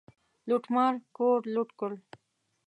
لوټمار کور لوټ کړ.